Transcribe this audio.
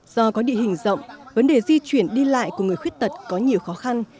do có địa hình rộng vấn đề di chuyển đi lại của người khuyết tật có nhiều khó khăn